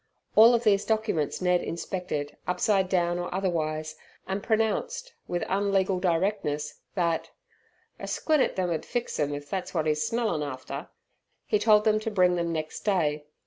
All of these documents Ned inspected upside down or otherwise, and pronounced with unlegal directness that "a squint et them 'ud fix 'im if thet's wot 'e's smellin' after". He told them to bring them next day.